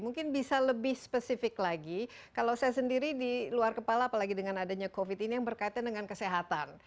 mungkin bisa lebih spesifik lagi kalau saya sendiri di luar kepala apalagi dengan adanya covid ini yang berkaitan dengan kesehatan